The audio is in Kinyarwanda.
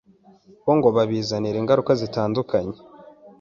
bo ngo bibazanira ingaruka zitandukanye